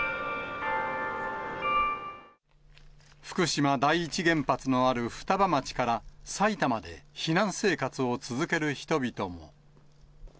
福島第一原発のある双葉町から、埼玉で避難生活を続ける人々も。